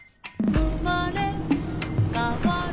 「うまれかわる」